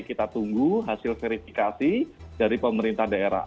kita tunggu hasil verifikasi dari pemerintah daerah